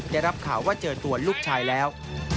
ได้รับข่าวว่าเจอตัวลูกชายแล้ว